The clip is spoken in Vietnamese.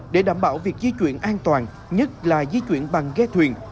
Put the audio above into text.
để đảm bảo việc di chuyển an toàn nhất là di chuyển bằng ghe thuyền